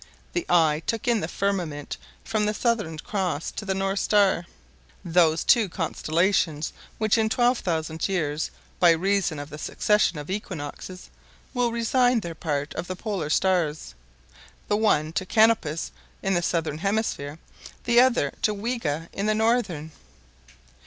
The eye took in the firmament from the Southern Cross to the North Star, those two constellations which in 12,000 years, by reason of the succession of equinoxes, will resign their part of the polar stars, the one to Canopus in the southern hemisphere, the other to Wega in the northern.